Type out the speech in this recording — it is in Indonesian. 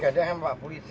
digendeng sama polisi